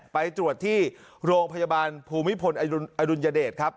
ไปตรวจที่โรงพยาบาลภูมิพลอดุลยเดชครับ